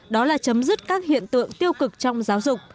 đó là chấm dứt các hiện tượng tiêu cực trong giáo dục